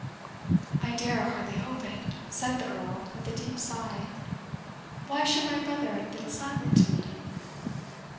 "I dare hardly hope it," said the Earl, with a deep sigh. "Why should my brother have been silent to me?"